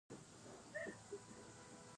کلتور د افغانستان د اجتماعي جوړښت برخه ده.